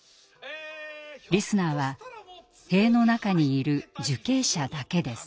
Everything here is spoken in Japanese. リスナーは塀の中にいる受刑者だけです。